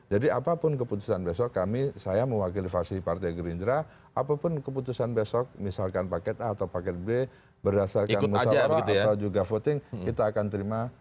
jadi apapun keputusan besok kami saya mewakili varsity partai gerindra apapun keputusan besok misalkan paket a atau paket b berdasarkan musahara atau juga voting kita akan terima